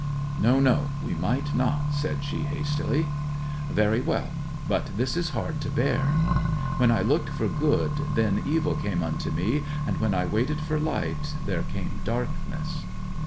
'No, no; we might not,' said she hastily. 'Very well. But this is hard to bear! "When I looked for good then evil came unto me, and when I waited for light there came darkness."